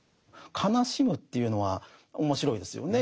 悲しむというのは面白いですよね。